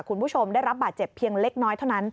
คุณผู้ชมได้รับบาดเจ็บเพียงเล็กน้อยเท่านั้น